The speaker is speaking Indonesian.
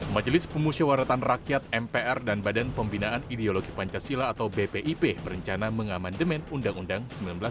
majelis pemusyawaratan rakyat mpr dan badan pembinaan ideologi pancasila atau bpip berencana mengamandemen undang undang seribu sembilan ratus empat puluh lima